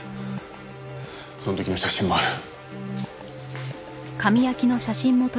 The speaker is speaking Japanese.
その時の写真もある。